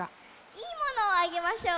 いいものをあげましょう！